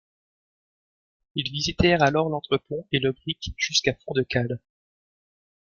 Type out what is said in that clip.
Ils visitèrent alors l’entre-pont et le brick jusqu’à fond de cale.